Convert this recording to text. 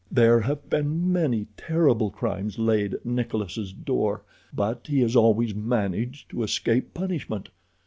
"There have been many terrible crimes laid at Nikolas' door, but he has always managed to escape punishment.